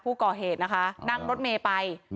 พอครูผู้ชายออกมาช่วยพอครูผู้ชายออกมาช่วย